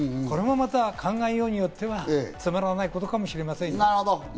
これも考えようによっては、つまらないことかもしれませんよ。